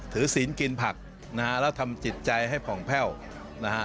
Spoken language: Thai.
ศีลกินผักนะฮะแล้วทำจิตใจให้ผ่องแพ่วนะฮะ